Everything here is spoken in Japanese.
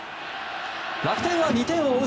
楽天は２点を追う